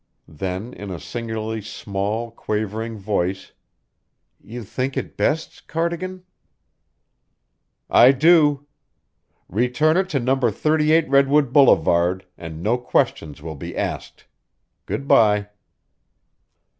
Then in a singularly small, quavering voice: "You think it best, Cardigan?" "I do. Return it to No. 38 Redwood Boulevard, and no questions will be asked. Good bye!"